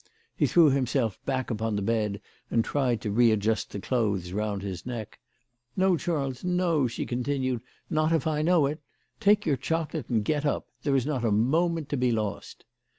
He threw himself back upon the bed, and tried to readjust the clothes round his neck. "No, Charles, no," she continued; "not if I know it. Take your chocolate and get up. There is not a moment to be lost."